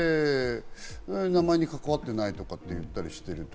名前に関わってないとか言ったりしてる。